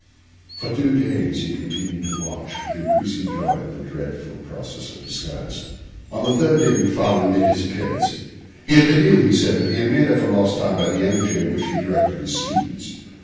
For two days he continued to watch, with increasing joy, the dreadful process of disguise. On the third day Macfarlane made his appearance. He had been ill, he said; but he made up for lost time by the energy with which he directed the students.